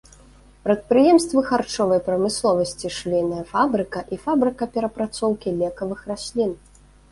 Прадпрыемствы харчовай прамысловасці, швейная фабрыка і фабрыка перапрацоўкі лекавых раслін.